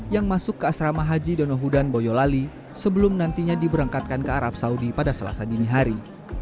yang masuk ke asrama haji donohudan boyolali sebelum nantinya diberangkatkan ke arab saudi pada selasa dini hari